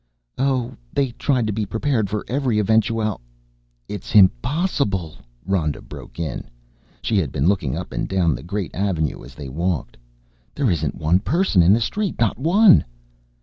"Oh, they tried to be prepared for every eventual " "It's impossible!" Rhoda broke in. She had been looking up and down the great avenue as they talked. "There isn't one person in the street, not one!"